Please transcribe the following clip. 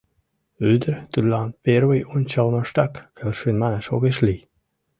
Ӱдыр тудлан первый ончалмаштак келшен манаш огеш лий.